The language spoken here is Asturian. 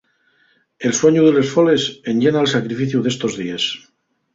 El suañu de les foles enllena'l sacrificiu d'estos díes.